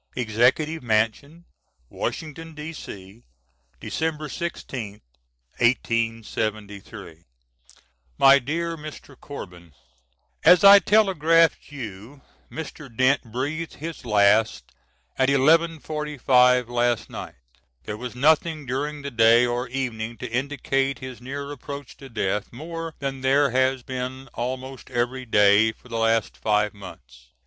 ] EXECUTIVE MANSION Washington, D.C., Dec. 16th, 1873. MY DEAR MR. CORBIN: As I telegraphed you Mr. Dent breathed his last at 11.45 last night. There was nothing during the day or evening to indicate his near approach to death more than there has been almost every day for the last five months.